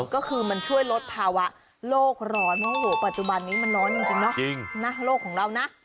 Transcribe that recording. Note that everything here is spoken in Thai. ก็คือช่วยลดภาวะโลกร้อนปัจจุบันนี้มันร้อนจริงนะโลกของเรานะ